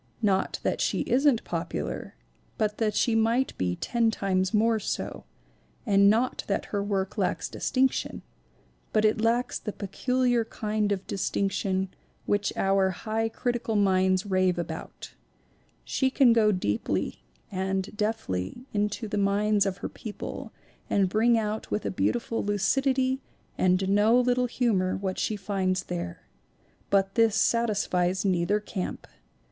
Not that she isn't popular, but that she might be ten times more so; and not that her work lacks distinction, but it lacks the peculiar kind of dis tinction which our high critical minds rave about She can go deeply and deftly into the minds of her people and bring out with a beautiful lucidity and no little humor what she finds there. But this satis fies neither camp.